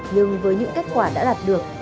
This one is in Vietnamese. nhưng với những kết quả đã đạt được